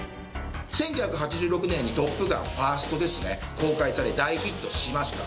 １９８６年に「トップガン」ファーストですね公開され、大ヒットしました。